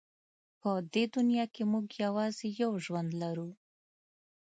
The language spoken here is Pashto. په دې دنیا کې موږ یوازې یو ژوند لرو.